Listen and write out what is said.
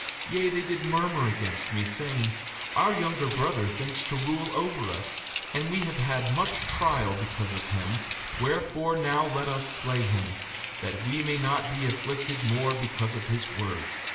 5:3 Yea, they did murmur against me, saying: Our younger brother thinks to rule over us; and we have had much trial because of him; wherefore, now let us slay him, that we may not be afflicted more because of his words.